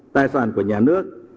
tài sản của nhà nước